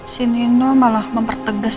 si nino malah mempertegas